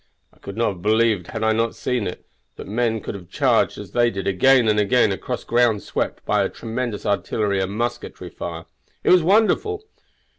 I could not have believed had I not seen it, that men could have charged as they did again and again across ground swept by a tremendous artillery and musketry fire; it was wonderful!